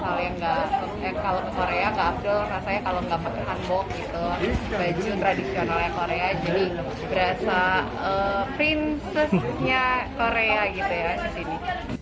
baju tradisionalnya korea jadi berasa prinsesnya korea gitu ya disini